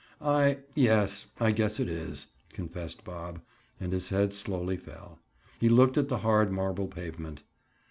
"I—yes, I guess it is," confessed Bob, and his head slowly fell. He looked at the hard marble pavement.